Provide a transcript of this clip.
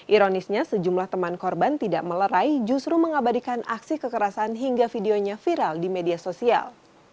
ironisnya sejumlah teman korban tidak melerai justru mengabadikan aksi kekerasan hingga videonya viral di media sosial